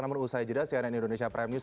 namun usaha jeda si anand indonesia prime news